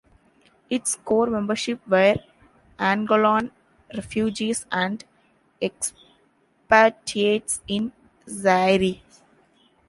Its core membership were Angolan refugees and expatiates in Zaire.